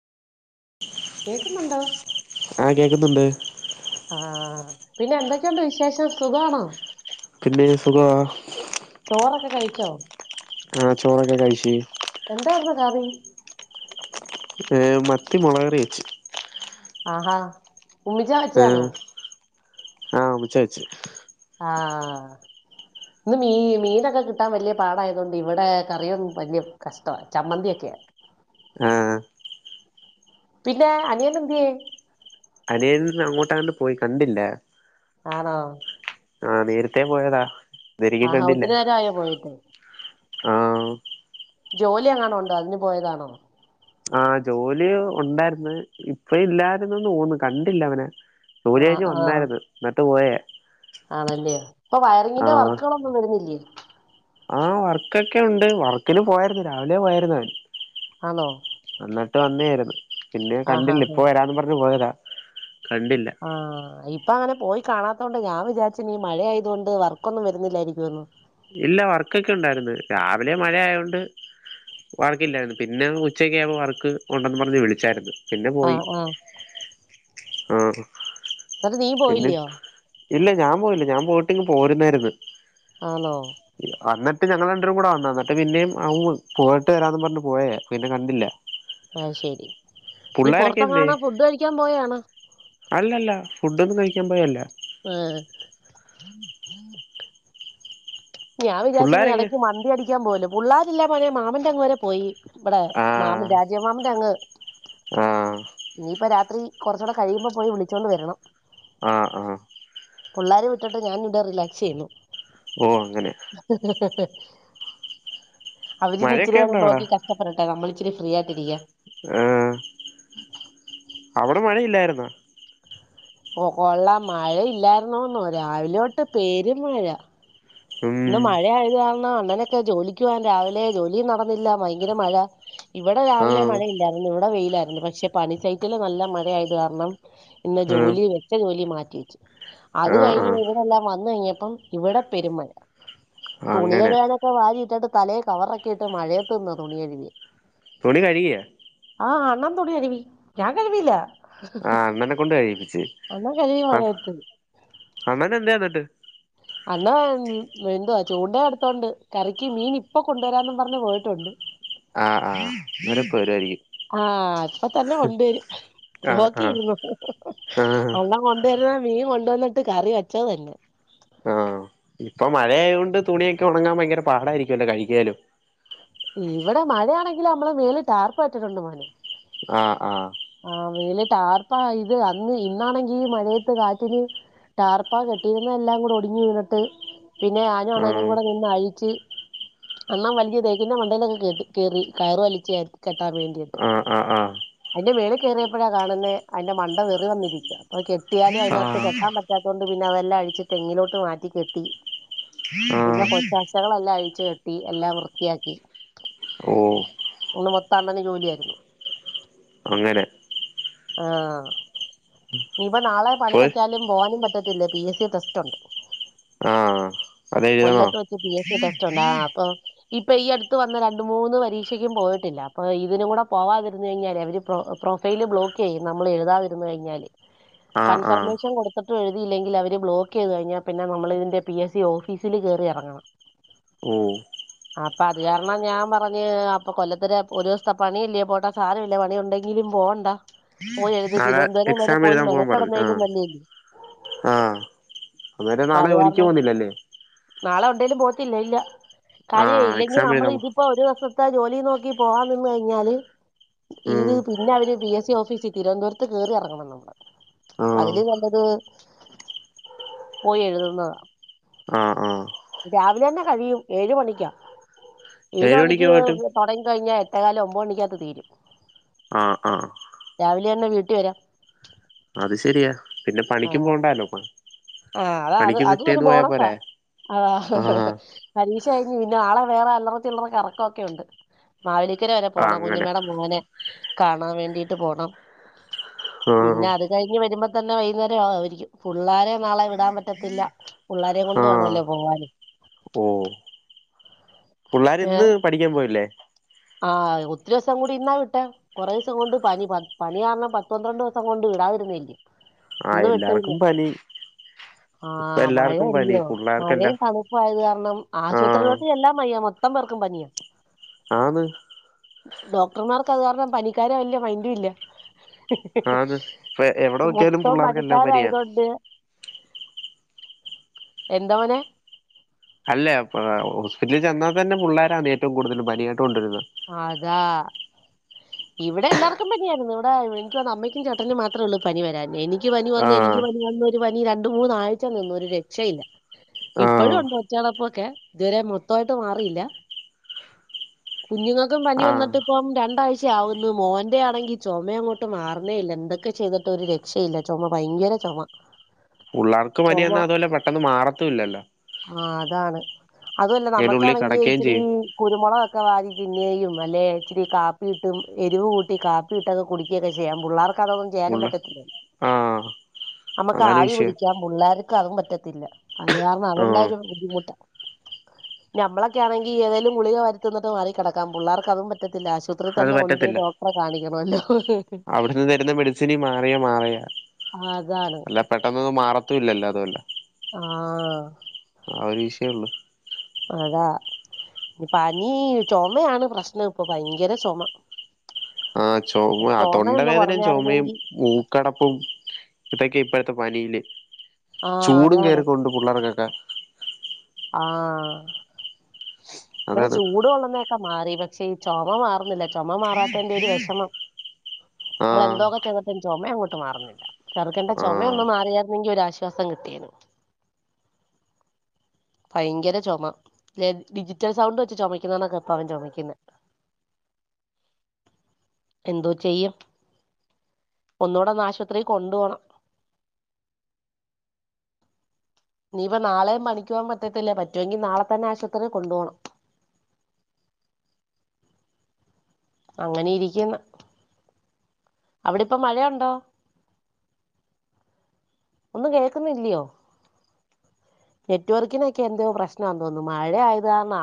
കേക്കുന്നൊണ്ടോ ആ കേക്കുന്നുണ്ട് ആഹ് പിന്നെ എന്തൊക്കെയൊണ്ട് വിശേഷം സുഖവാണോ പിന്നേ സുഖവാ ചോറൊക്കെ കഴിച്ചോ ആഹ് ചോറൊക്കെ കഴിച്ച് എന്താരുന്നു കറി ഏഹ് മത്തി മൊളകറി വെച്ച് ആഹാ ഉമ്മിച്ച വെച്ചാണോ ഏഹ് ആഹ് ഉമ്മച്ചികഴിച്ച് ആഹ് ഇന്ന് മീ മീനക്കെ കിട്ടാൻ വല്യ പാടയതുകൊണ്ട് ഇവടെ കറിയും വലിയ കഷ്ട്ടവാ ചമ്മന്തി എക്കെയാ ആഹ് പിന്നെ അനിയനെന്തിയേ അനിയൻന അങ്ങോട്ടെങ്ങാണ്ട് പോയി കണ്ടില്ല ആണോ ആഹ് നേരത്തെ പോയതാ ഇതുവരെയ്ക്കും ആഹാ കണ്ടില്ല ഒത്തിരി നേരം ആയോ പോയിട്ട് ആ ജോലിയങ്ങാണും ഉണ്ടോ അതിന് പോയതാണോ ആഹ് ജോലി ഒണ്ടാരുന്നു ഇപ്പ ഇല്ലായിരുന്ന്ന്നു തോന്നുന്ന് കണ്ടില്ല അവനെ ജോലി ആ കഴിഞ്ഞ് ആ വന്നാരുന്ന് എന്നിട്ട് പോയ ആണല്ലേ ഇപ്പൊ വയറിങ്ങിന്റെ വർക്കുകളൊന്നും വരുന്നില്ലേ? ആഹ് വർക്കൊക്കെ ഉണ്ട് വർക്കന് പോയായിരുന്നു. രാവിലെ പോയയിരുന്നു. അവൻ ആന്നോ എന്നന്നിട്ട് വന്നോയിരുന്നു പിന്നെ ആഹാ കണ്ടില്ല ഇപ്പൊ വരാന്ന് പറഞ്ഞഞ് പോയതാ കണ്ടില്ല. ആഹ ഇപ്പ അങ്ങനെ പോയി കാണാത്തത് കൊണ്ട് ഞാൻ വിചാരിച്ചീ മഴ ആയത് കൊണ്ട് വർക്കൊന്നും വരുന്നില്ലായിരിക്കുംന്ന്. ഇല്ല വർക്കൊക്കെ ഉണ്ടായിരുന്നു. രാവിലെ മഴയൊണ്ട്. വർക്കില്ലായിരുന്നു പിന്നെ ഉച്ചക്ക് ആകുമ്പോൾ വർക്ക് ഉണ്ടെന്ന് പറഞ്ഞ് വിളിച്ചായിരുന്നു. പിന്നെ പോയി ആഹ് ആഹ് ആഹ എന്നിട്ട് നീ പിന്നെ. പോയില്ലയോ ഇല്ല ഞാൻ പോയില്ല ഞാൻ പോയിട്ടിങ് പോരുന്നായിരുന്നു. ആന്നോ വന്നട്ട് ഞങ്ങൾ രണ്ടരും കൂടെ വന്ന വന്നിട്ട് പിന്നെയും അവ പോയിട്ട് വരാന്ന് പറഞ്ഞു പോയേ പിന്നെ കണ്ടില്ല. ആഹ ശെരി നീ പുള്ളാരൊക്കെ പുറത്ത് എന്തേ എങ്ങനും ഫുഡ് കഴിക്കാൻ പോയണോ അല്ലല്ല ഫുഡ് ഒന്നും കഴിക്കാൻ പോയല്ല. ആഹ് ഞാൻ വിചാചു പുള്ളാരൊക്കെ ഇടക്ക് മന്തി അടിക്കാൻ പോലും പിള്ളാരില്ല മോനെ മാമന്റെ വരെ പോയി. ഇവിടെ ആ മാമന് രാജ്യ മാമിന്റെ അങ്ങ്. ആഹ്. ഇനിയിപ്പ രാത്രി കുറച്ചൂടെ കഴിയുമ്പോ പോയി വിളിച്ചോണ്ട് വരണം. ആഹ ആഹ് പിള്ളോരെ വിട്ടിട്ട് ഞാന് ഇവിടെ റിലാക്സ് ചെയ്യുന്നു. ഓ അങ്ങനെ ഹ് ഹ്‌ ഹ്‌ അവര്നി ഇച്ചി മഴയൊക്കെ നേരെ ഉണ്ടോ അവിടെ നോക്കി ക ഇഷടപ്പെട്ടെ ക ഇച്ചിരി ഫ്രീ ആയിട്ടിരിക്ക. ആഹ് അവിടെ മഴയില്ലായിരുന്നോ. കൊള്ളാ മഴ ഇല്ലായിരുന്നോന്നു രാവിലെതോട്ട് പേരും മഴ ഉം ഇന്ന് മഴ ആയത് കാരണം അണ്ണനൊക്കെ ജോലിക്കുവാൻ രാവിലെ ജോലിയും നടന്നില്ല ഭയങ്കര മഴ. ഇവിടെ ആ രാവിലെ മഴയില്ലായിരുന്നു ഇവിടെ വെയിലായിരുന്നു പക്ഷെ പണിസൈറ്റില് നല്ല മഴയത് കാരണം. പിന്നെ ആ ജോലി വെച്ച ജോലി മാറ്റി വെച്ചു. അത് ആ ആ കഴിഞ്ഞ് ഇവിടെല്ലാം വന്ന് കഴിഞ്ഞപ്പം ഇവിടെ പെരും മഴ. തുണി അങ്ങനെ കഴുകാനൊക്കെ വാരിയിട്ടിട്ട് തലയെ കവറക്കെയിട്ട് മഴയത് ന് തുണി കഴുകി. തുണി കഴുകിക. ആഹ് അണ്ണൻ തുണി കഴുകി ഞാൻ കഴു കില്ല. ആ അണ്ണനെ കൊണ്ട് കഴയിപ്പിച്ച് അണ്ണൻ കഴുകി ആ മഴയത്ത് അണ്ണനെ എന്ത എന്നിട്ട്. അണ്ണ എന്തുവാ ചൂണ്ട എടുത്തോണ്ട് കറിക്ക് മീൻ ഇപ്പൊ കൊണ്ടുവരാന്നും പറഞ്ഞ് പോയിട്ടുണ്ട്. ആആഹാ അങ്ങേര് ഇപ്പം വരുവാ യിരിക്കും. ആഹ അപ്പൊ തന്നെ കൊണ്ടുവരും. ആഹ് ആഹ് നോക്കിരുന്നോ ആഹ് അല്ലാം കൊ ഇരുന്ന മീൻ കൊണ്ടുവന്നിട്ട് കറി വെച്ചമതി ആഹ് ഇപ്പൊ മഴയത് കൊണ്ട് തുണിയൊക്കെ ഉണങ്ങാൻ ഭയങ്കര പാടായിരിക്കുമല്ലോ കഴിക്കാലും. ഇവിടെമഴയാണെങ്കിലും നമ്മള് മേല് ടാർപ്പട്ടിട്ടുണ്ട് മോന്. ആഹ് ആഹ്. ആഹ് വെലിട്ട് ആർപ്പാ ഇത് അന്ന് ഇന്നാണെങ്കി മഴയത്ത് കാറ്റിന്. ടാർപ്പാ കെട്ടിരുന്ന എല്ലാം കൂടെ ഒടിഞ്ഞു വീണിട്ട്. പിന്നെ ആനു അണ്ണനും കൂടെ നിന്ന് അഴിച്ച്. എന്നാ വലിയതേക്കിന്റെ മ ണ്ടേയിലൊക്കെ കേ കയറി കയർ വലിച് കെട്ടാൻ വേണ്ടിയിട്ട് ആഹ് ആഹ് ആഹ് അതിന്റെ മേളിൽ കയറിയപ്പോഴാ കാണുന്നേ അതിന്റെ മണ്ട വെറി വന്നിരിക്കുക അപ്പൊ കെട്ടിയാലും അതിനകത്ത് ക ആഹ് പറ്റാതോണ്ട് പിന്നെ അതെല്ലാം അഴിച്ച്തെങ്ങിലോട്ട് മാറ്റി കെട്ടി ആഹ് പിന്നെ ആഹ് കൊച്ചാശകളെല്ലാം അഴിച്ചു കെട്ടി എല്ലാം വൃത്തിയാക്കി ഓഹ് ഇന്ന് മൊത്തം അണ്ണനു ജോലിആയിരുന്നു അങ്ങനെ ആഹ് നനിപ്പ നാളെ പണി ഫുൾ വെച്ചാലും പോകാനും പറ്റത്തില്ല പി എസ് സി ടെസ്റ്റ് ഉണ്ട് ആഹ് അതെഴുതണോ കൊല്ലത്ത് വച്ച പിഎസ് സി ടെസ് ഉണ്ടാ അപ്പൊ ഇപ്പൊ ഈ അടുത്ത് വന്ന രണ്ട മൂന്ന് പരീക്ഷയ്ക്കും പോയിട്ടില്ല അപ്പൊ ഇതിനും കൂടെ പോവാതിരുന്നു കഴിഞ്ഞാല് അവര് പ്ര പ്രൊഫൈല് ബ്ലോക്ക് ചെയ്യും നമ്മൾ എഴുതാതിന്ന് കഴിഞ്ഞാല് ആഹ് ആഹ് കൺഫർമേഷൻ കൊടുത്തിട്ടും എഴുതിയില്ലെങ്കിൽ അവര് ബ്ലോക്ക് ചെയ്ത് കഴിഞ്ഞാ പിന്നെ നമ്മളതിന്റെ പി എസ് സി ഓഫീസിില് കേറി ഇറങ്ങണം ഓഹ് അപ്പൊ അത് കാരണം ഞാൻ പറഞ്ഞഞ് അപ്പൊ കൊല്ലത്തി ഒരു ദിവസത്തെ പണി ഇല്ലേ പോട്ടാ സാര ഇല്ലേ പണി ഉണ്ടെങ്ക എങ്കിലും പോകണ്ട പോയിയെഴുത് നാളെ തിരുവനന്തപുരം വരെ എക്സാം പോയി എഴുതാൻ പോവാൻ പറഞ്ഞു മെരക്കടന്നതിലും ആഹ് നല്ലല്ലിയോ ആഹ് അന്നേരം നാളെ അത് ജോലിക്ക് കാരണം പോന്നില്ലല്ലേ നാളെ ഉണ്ടെേലും പോത്തില്ല ഇല്ല കാര്യമേ ആഹ് ഇല്ലെങ്കി എക്സാം നമ്മൾ എഴുതാൻ പോ ഇത് ഇപ്പൊ ഒരു ദസത്തെ ജോലി നോക്കി പോവാാൻ നിന്ന് കഴിഞ്ഞാല് ഇത് ഉം പിന്നെ അവര് ബിസ് സി ഓഫീസിൽ തിരുവനന്തപുരത്ത് കയറി ഇറങ്ങണം നമ്മള് ആഹ് അതില് നല്ലത് പോയി എഴുതുന്ന ആഹ് ആഹ് രാവിലെ തന്നെ കഴിയും ഏഴ് മണിക്കാ ഏഴ ഏഴ് മണിക്ക് പോയിട്ട് തുടങ്ങി കഴിഞ്ഞാൽ എട്ടോല ഒമ്പത് മണിക്കകത്തുതീരും ആഹ് ആഹ് രാവിലെ തന്നെ വീട്ടിൽ വരാം അത് ശെരിയാ പിന്നെ പണിക്കും പോണ്ടല്ലോ ആഹ അത അത് അതും ഒരു ബോണസാ അത ആ പരീക്ഷ കഴിഞ്ഞു പിന്നെ ആളെ വേറെ അല്ലറത്തിുള്ളറ ക ഇറക്കംഒക്കെ ഉണ്ട് മാവേലിക്കര വരെ പോണം അങ്ങനെ കുഞ്ഞമേട മോനെ കാണാൻ വേണ്ടിട്ട് പോണം ആ പിന്നെ അത് കഴിഞ്ഞ് വരുമ്പോ തന്നെ വൈകുന്നേരം ആകുവാരിക്കും പിള്ളാര നാളെ വിടാൻ പറ്റത്തില്ല പിള്ളേരെ കൊണ്ട് വേണല്ലോ പോകാന് ഓഹ് പിള്ളേർ ഇന്ന് പഠിക്കാൻ പോയില്ലേ ആഹെ ഒത്തിരി ദിവസം കൂടി ഇന്നാ വിട്ടേ കുറേ ദിവസം കൊണ്ട് പനി പനി കാരണം പത്തു പന്ത്രണ്ട് ദിവസം കൊണ്ട് വിടാതിരുന്നില്ലേ ആ ഇന്നും വിട്ടു പിന്നെ എല്ലാർക്കും പനി ഇപ്പൊ ആഹ് എല്ലാർക്കും പനി മഴയല്ലയോ പിള്ളേർക്കെല്ലാം മഴയും തണ തണുപ്പായകാരണം ആ ആശുപത്രിയിലോട്ട് ചെല്ലാൻ വയ്യ മൊത്തം പേർക്കും പനിയ ആന്ന് ഡോക്ടർമാർക്ക് അത് കാരണം പനിക്കാര വല്ലൃ മൈന്റ ഇല്ല ആന്ന് ഇപ്പൊ എവിടെ നോക്കിയാലും മൊത്തം പിള്ളേർക്കെല്ലാം പനിയാ മണിക്കാരായതൊണ്ട് എന്തോരും അല്ലേ ഹോസ്പിറ്റലിൽ ചെന്നാൽ തന്നെ പിള്ളോരാണ് ഏറ്റവും കൂടുതൽ പനിയായിട്ട് കൊണ്ടുവരുന്നത്. അതാ ഇവിടെ എല്ലാർക്കും പനിയായിരുന്നു. ഇടെ എനിക്ക് തോനുന്നു അമ്മക്കും ചേട്ടനും മാത്രേള്ളൂ പനി വരാഞ്ഞേ എനി എനിക്ക് പനി ആ വന്നു. എനിക്ക് പനി വന്ന ഒരു പനി രണ്ട് മൂന്നാഴ്ച നിന്നു. ഒരു രക്ഷയില്ല. ആ ഇപ്പഴും ഉണ്ട് ഒച്ചടപ്പൊക്കെ ഇതുവരെ മൊത്തമായിട്ട് മാറിയില്ല. കുഞ്ഞുങ്ങൾക്കും പനി ആ വന്നിട്ട് ഇപ്പം രണ്ടാഴ്ച ആവുന്നു. മോന്റെ ആണെങ്കി ചുമ അങ്ങോ ട്ട് മാറുന്നേ ഇല്ല എന്തൊക്കെ ചെയ്തിട്ട് ഒരു രക്ഷയില്ല. ചുമ ഭയങ്കര ചുമ പുള്ളാർക്ക് പനിവന്നാ അതൊല്ല പെട്ടെന്ന് മാറതു ല്ലല്ലോ ആഹ് അതാണ്. അതുല്ല അതിനുള്ളിൽ നമ്മുക്കാണെങ്കി കിടക്കുകയും ഇച്ചിരി ചെയ്യും കുരുമുളൊക്കെ വാരി പിന്നേയും അല്ലേ ഇച്ചിരി കാപ്പിയിട്ടും എരിവ് കൂട്ടി കാപ്പിയിട്ടൊക്കെ കുടിക്കുകൊക്കെ ചെയ്യാം. പിള്ളേർക്ക് അതൊന്നും ചെയ്യാനും പുള്ള പറ്റ ആ അമ്മക്ക് അതാണ് ആവി വിഷയം പിടിക്കാം. പുള്ളേർക്ക് അതും പറ്റത്തില്ല. അത് കാരണം ആ അതെന്നൊരു ബുദ്ധിമുട്ടാ. നമ്മളൊക്കെ ആണങ്കി ഏതെലും ഗുളിക വാരി തിന്ന്ട്ട് മാറി കിടക്കും. ക്കാം. പിള്ളേർക്ക് അതും പറ്റത്തില്ല. അത് ആശുപത്രിതന്നെ കൊണ്ട് പോയ്‌ ഡോക്ടറെ കാണിക്കണല്ലോ അവിട്ന്ന് തെരുന്ന മെഡിസിനി മാറിയാ മാറിയ ആ, അതാണ് അല്ല- പെട്ടന്നൊന്നും മാറത്തും ഇല്ലല്ലോ അതുകൊണ്ട ആആഹ് ആ ഒരു വീഷയെളളൂ അതാ നി പനി ചുമയാണ് പ്രശ്നം. ഇപ്പൊ ഭയങ്കര ചൊമ ആ ചൊമ ആ തൊണ്ടവേദനയും ചുമയും കുറഞ്ഞായിരുന്നെങ്കി കൂ റ്റടപ്പും ഇതൊക്കെ ഇപ്പോഴത്തെ പനിയില് ആഹ് ചൂടും അതാണ് കേയറിട്ടുണ്ട് പിള്ളേർക്കൊക്കെ ആഹ് ഇവടെ അതാണ് ചൂട് കൊള്ളുന്നൊക്കെ മാറി പക്ഷേ ഈ ചൊമ മാറുന്നില്ല. ചൊമ മാറാത്തേന്റെരു വെഷമം. ആ മ്മളെന്തോ ക്കേ ന്ന്ട്ടും ചുമ അങ്ങോട്ട് മാറുന്നില്ല. ചെറുക്കൻ്റ ആ ചൊമയൊന്ന് മാറിയായിരുന്നെങ്കിൽ ഒരാശ്വാസം കിട്ടീന്നു. ഭയങ്കര ചൊമ. ലെ ഡിജിറ്റൽ സൗണ്ട് വെച്ച് ചൊമക്കുന്ന പോലെ ചെമയ്ക്കുന്നെ. [inaudible] എന്തോ ചെയ്യും. ഒന്നൂടൊന്ന് ആശുത്രി കൊണ്ടു പോണം. ഇനീപ്പ നാളെ പണിക്ക് പോവാൻ പറ്റത്തില്ല. പറ്റുമെങ്കിൽ നാളെ തന്നെ ആശുപത്രിൽ കൊണ്ട് പോണം. അങ്ങനെ ഇരിക്ക്ന്ന്. അവിടിപ്പം മഴയുണ്ടോ? ഒന്നും കേക്കുന്നില്യോ? നെറ്റ് വർക്കിനൊക്കെ എന്തോ പ്രശ്നാതോന്നുന്നു. മഴആയതാന്നാ